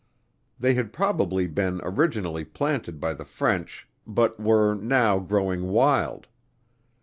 They had probably been originally planted by the French, but were, now growing wild.